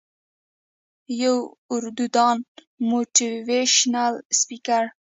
يو اردو دان موټيوېشنل سپيکر